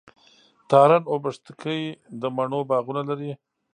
تارڼ اوبښتکۍ د مڼو باغونه لري.